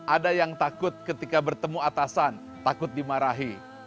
ada yang takut ketika bertemu atasan takut dimarahi